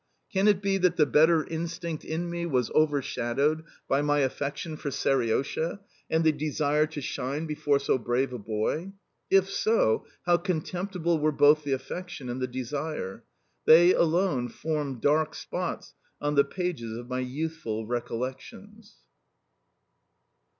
Can it be that the better instinct in me was overshadowed by my affection for Seriosha and the desire to shine before so brave a boy? If so, how contemptible were both the affection and the desire! They alone form dark spots on the pages of my youthful recollections.